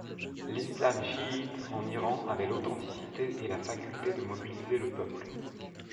L’Islam chiite en Iran avait l’authenticité et la faculté de mobiliser le peuple.